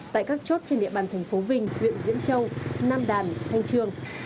tại các chốt trên địa bàn thành phố vinh huyện diễn châu nam đàn thanh trương